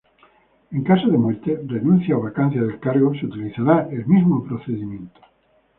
En caso de muerte, renuncia o vacancia del cargo, se utilizará el mismo procedimiento.